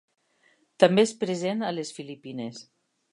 També és present a les Filipines.